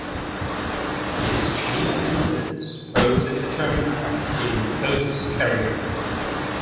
This chain of incidents proved to be a turning point in Mpofu's career.